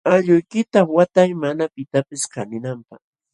Allquykita watay mana pitapis kaninanpaq.